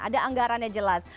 ada anggarannya jelas